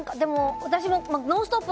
私も「ノンストップ！」